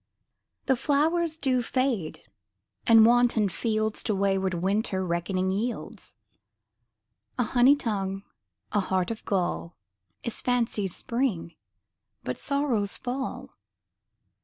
The flowers do fade ; and wanton fields To wayward winter reckoning yields : A honey tongue, a heart of gall, Is fancy's spring, but sorrow's fall.